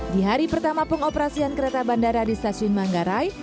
di hari pertama pengoperasian kereta bandara di stasiun manggarai